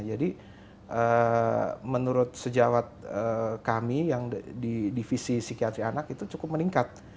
jadi menurut sejawat kami yang di divisi psikiatri anak itu cukup meningkat